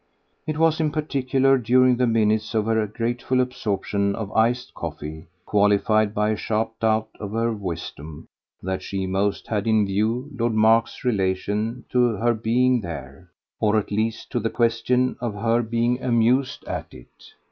It was in particular during the minutes of her grateful absorption of iced coffee qualified by a sharp doubt of her wisdom that she most had in view Lord Mark's relation to her being there, or at least to the question of her being amused at it.